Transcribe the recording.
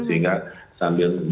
sehingga sambil berapa